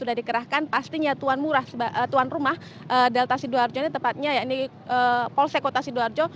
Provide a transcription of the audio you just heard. dikerahkan pastinya tuan rumah delta sidoarjo ini tepatnya polsekota sidoarjo